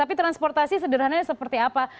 tapi transportasi sederhananya seperti apa